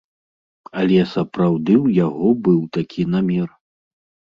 Але сапраўды ў яго быў такі намер.